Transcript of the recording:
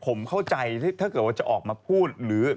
ผมเข้าใจถ้าจะออกมาพูด